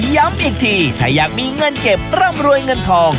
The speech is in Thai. ย้ำอีกทีถ้าอยากมีเงินเก็บร่ำรวยเงินทอง